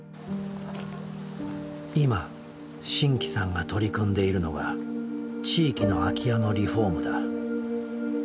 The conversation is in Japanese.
今真気さんが取り組んでいるのが地域の空き家のリフォームだ。